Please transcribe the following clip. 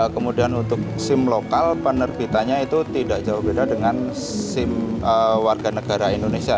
kemudian untuk sim lokal penerbitannya itu tidak jauh beda dengan sim warga negara indonesia